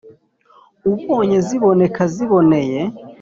Ubonye ziboneka ziboneye